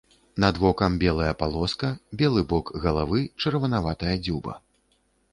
Над вокам белая палоска, белы бок галавы, чырванаватая дзюба.